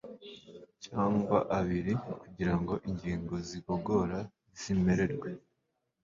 cyangwa abiri kugira ngo ingingo zigogora ziremerewe